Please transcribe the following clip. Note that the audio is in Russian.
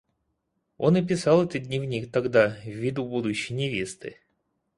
Он и писал этот дневник тогда в виду будущей невесты.